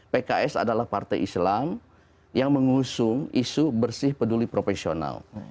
pks adalah partai islam yang mengusung isu bersih peduli profesional